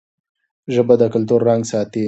ژبه د کلتور رنګ ساتي.